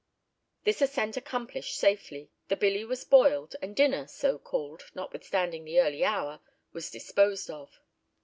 This ascent accomplished safely, the billy was boiled, and dinner, so called, notwithstanding the early hour, was disposed of.